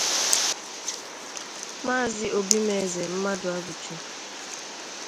Maazị Obimeze Maduabuchi